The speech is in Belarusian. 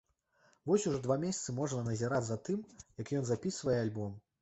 Вось ужо два месяцы можна назіраць за тым, як ён запісвае альбом.